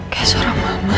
kayak seorang mama